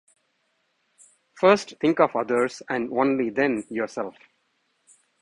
First think of others and only then yourself.